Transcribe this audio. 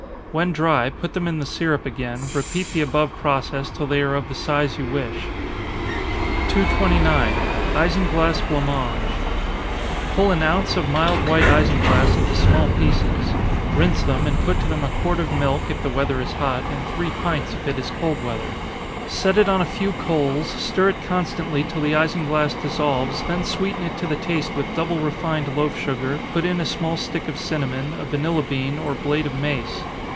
When dry, put them in the syrup again, repeat the above process till they are of the size you wish. 229. Isinglass Blanc Mange. Pull an ounce of mild white isinglass into small pieces rinse them, and put to them a quart of milk if the weather is hot, and three pints if it is cold weather. Set it on a few coals, stir it constantly till the isinglass dissolves, then sweeten it to the taste with double refined loaf sugar, put in a small stick of cinnamon, a vanilla bean, or blade of mace.